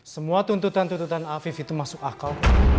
semua tuntutan tuntutan afif itu masuk akal